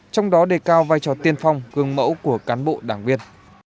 trong đó đề cao vai trò tiên phong gương mẫu của cán bộ đảng viên